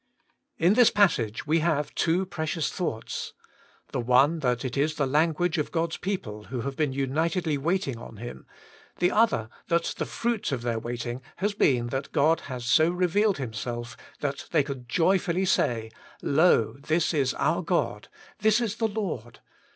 IN this passage we have two precious thoughts. The one, that it is the language of God's people who have been unitedly waiting on Him ; the other, that the fruit of their waiting has been that God has so revealed Himself, that they could joyfully say, Lo, this is our God ; THIS IS THE Lord.